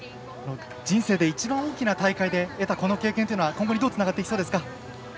人生で一番大きな大会で得たこの経験っていうのは今後にどうつながっていきそうですか？